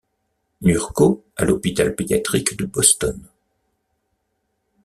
Nurko, à l’hôpital pédiatrique de Boston.